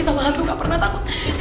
salah hantu gak pernah takut